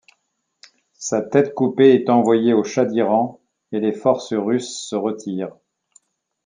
Sa tête coupée est envoyée au Chah d’Iran et les forces russes se retirent.